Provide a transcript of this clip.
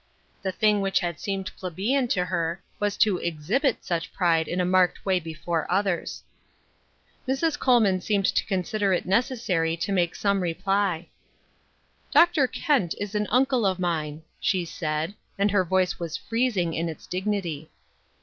The thing which had seemed plebeian to her was to exhibit such pride in a marked way before others. A Society Cross, 143 Mrs. Colrnan seemed to consider it necessary to make some reply :" Dr. Kent is an uncle of mine," she said, and her voice was freezing in its dignity.